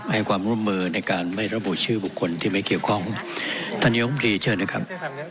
ให้ความร่วมมือในการไม่ระบุชื่อบุคคลที่ไม่เกี่ยวข้องท่านยมดีเชิญนะครับ